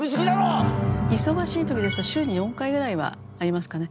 忙しい時ですと週に４回ぐらいはありますかね。